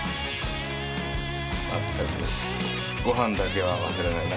まったくご飯だけは忘れないな。